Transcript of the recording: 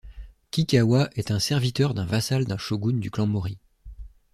Kikkawa est un serviteur d'un vassal d'un shogun du clan Mōri.